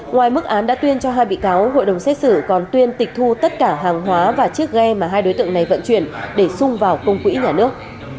ngoài mức án đã tuyên cho hai bị cáo hội đồng xét xử còn tuyên tịch thu tất cả hàng hóa và chiếc ghe mà hai đối tượng này vận chuyển để xung vào công quỹ nhà nước